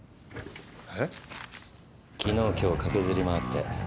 昨日今日駆けずり回って。